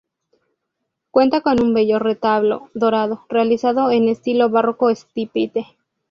Cuenta con un bello retablo dorado, realizado en estilo barroco estípite.